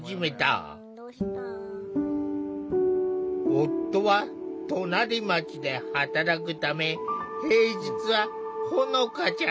夫は隣町で働くため平日はほのかちゃんと２人っきり。